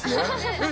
えっ？